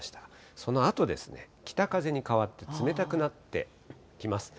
そのあと、北風に変わって、冷たくなってきます。